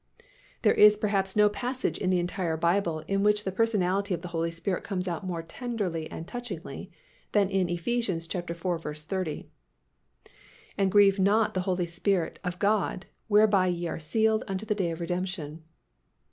There is perhaps no passage in the entire Bible in which the personality of the Holy Spirit comes out more tenderly and touchingly than in Eph. iv. 30, "And grieve not the Holy Spirit of God, whereby ye are sealed unto the day of redemption."